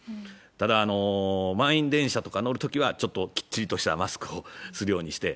ただ、満員電車とか乗るときは、ちょっときっちりとしたマスクをするようにして。